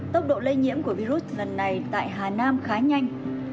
tốc độ lây nhiễm của virus lần này tại hà nam khá nhanh